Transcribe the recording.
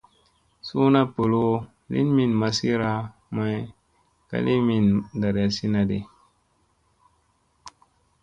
Suuna boloowo lin min masira, may ka li mindi ɗarayasinadi.